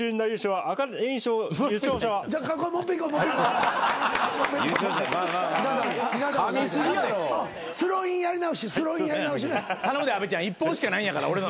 頼むで阿部ちゃん。１本しかないんやから俺の。